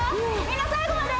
みんな最後まで！